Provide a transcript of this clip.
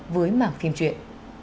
với mảng phim truyện